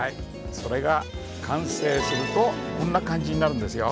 それが完成するとこんな感じになるんですよ。